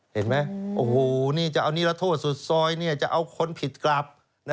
เห็นไหมโอ้โหนี่จะเอานิรโทษสุดซอยจะเอาคนผิดกลับ